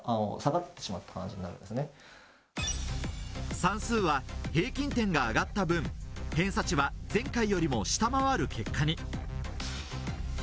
算数は平均点が上がった分、偏差値は前回よりも下回る結果に。